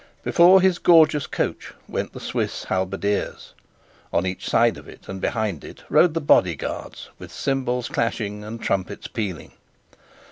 Before his gorgeous coach went the Swiss halberdiers. On each side of it and behind it rode the body guards with cymbals clashing and trumpets pealing.